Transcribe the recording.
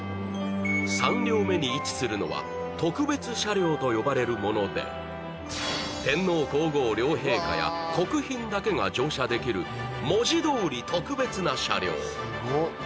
３両目に位置するのは特別車両と呼ばれるものでだけが乗車できる文字どおり特別な車両